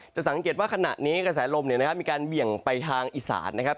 จะสังเกตว่าขณะนี้กระแสลมมีการเบี่ยงไปทางอิสานนะครับ